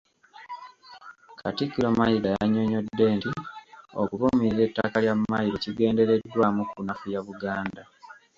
Katikkiro Mayiga yannyonnyodde nti okuvumirira ettaka lya mmayiro kigendereddwamu kunafuya Buganda.